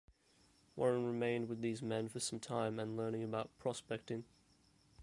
Warren remained with these men for some time and learning about prospecting.